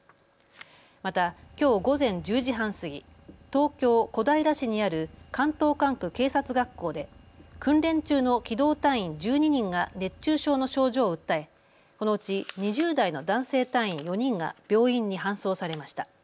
またきょう午前１０時半過ぎ、東京小平市にある関東管区警察学校で訓練中の機動隊員１２人が熱中症の症状を訴え、このうち２０代の男性隊員４人が病院に搬送されました。